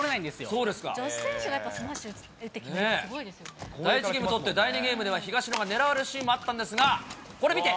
女子選手がスマッシュ打って第１ゲーム取って、第２ゲームでは東野が狙われるシーンもあったんですが、これ見て。